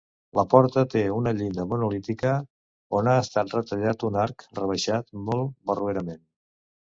La porta té una llinda monolítica on ha estat retallat un arc rebaixat molt barroerament.